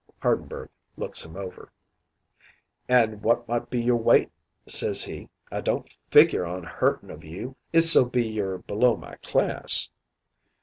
"Hardenberg looks him over. "'An' wot might be your weight?' says he. 'I don't figure on hurtin' of you, if so be you're below my class.'